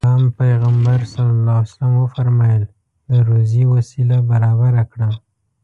د اسلام پيغمبر ص وفرمايل د روزي وسيله برابره کړه.